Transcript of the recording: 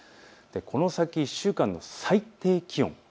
この先１週間の最低気温。